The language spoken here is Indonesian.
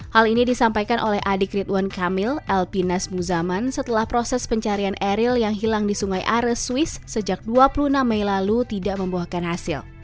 hal ini disampaikan oleh adik ridwan kamil elpinas muzaman setelah proses pencarian eril yang hilang di sungai are swiss sejak dua puluh enam mei lalu tidak membuahkan hasil